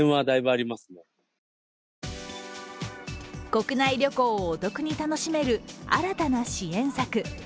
国内旅行をお得に楽しめる新たな支援策。